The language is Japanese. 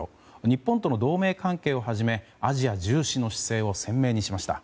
日本との同盟関係をはじめアジア重視の姿勢を鮮明にしました。